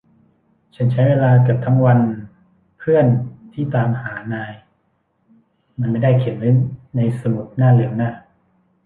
ฉันใช้เวลาเกือบทั้งวันเพื่อนที่ตามหานาย มันไม่ได้เขียนไว้ในสมุดหน้าเหลืองนะ